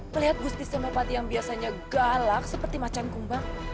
melihat gusti sembapati yang biasanya galak seperti macan kumbang